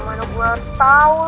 gimana gua tau